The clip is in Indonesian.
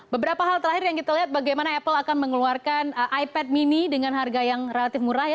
beberapa hal terakhir yang kita lihat bagaimana apple akan mengeluarkan ipad mini dengan harga yang relatif murah ya